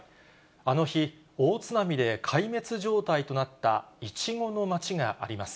あの日、大津波で壊滅状態となったイチゴの町があります。